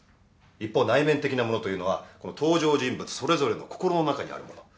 一方内面的なものというのは登場人物それぞれの心の中にあるもの。